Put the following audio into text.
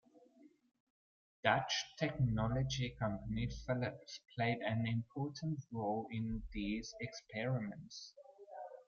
Dutch technology company Philips played an important role in these experiments.